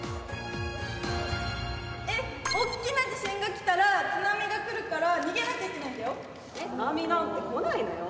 えっおっきな地震がきたら津波がくるから逃げなきゃいけないんだよ。